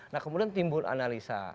nah kemudian timbul analisa